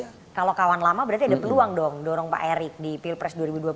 tapi kalau kawan lama berarti ada peluang dong dorong pak erick di pilpres dua ribu dua puluh